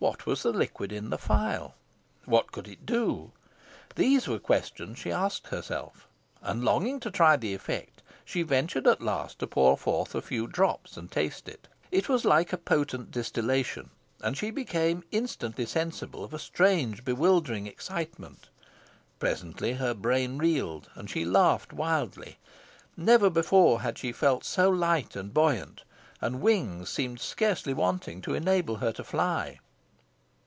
What was the liquid in the phial? What could it do? These were questions she asked herself, and longing to try the effect, she ventured at last to pour forth a few drops and taste it. It was like a potent distillation, and she became instantly sensible of a strange bewildering excitement. Presently her brain reeled, and she laughed wildly. Never before had she felt so light and buoyant, and wings seemed scarcely wanting to enable her to fly.